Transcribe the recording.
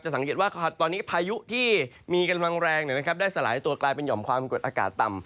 สังเกตว่าตอนนี้พายุที่มีกำลังแรงได้สลายตัวกลายเป็นหอมความกดอากาศต่ำ